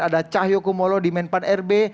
ada cahyokumolo di menpan rb